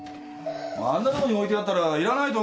あんなとこに置いてあったらいらないと思うだろ普通。